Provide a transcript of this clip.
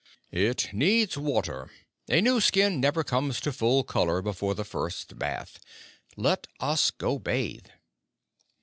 "It needs water. A new skin never comes to full color before the first bath. Let us go bathe."